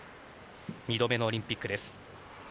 ２度目のオリンピックです。